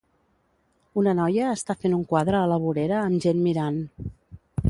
Una noia està fent un quadre a la vorera amb gent mirant